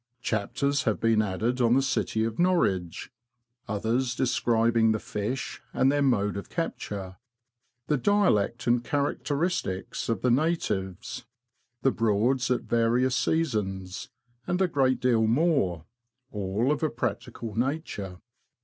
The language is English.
Chapters have been added on the City of Norwich ; others describing the Fish and their mode of capture ; the Dialect and Characteristics of the Natives ; the Broads at various Seasons, and a great deal more — all of a practical nature.